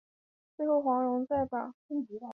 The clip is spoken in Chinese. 最后黄蓉再把软猬甲传给女儿郭芙了。